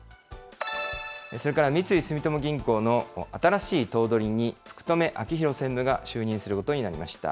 それから三井住友銀行の新しい頭取に、福留朗裕専務が就任することになりました。